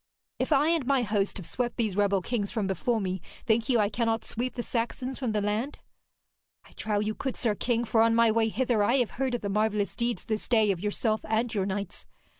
'If I and my host have swept these rebel kings from before me, think you I cannot sweep the Saxons from the land?' 'I trow you could, sir king, for on my way hither I have heard of the marvellous deeds this day of yourself and your knights.